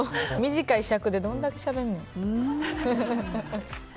短い尺でどんだけしゃべんねん。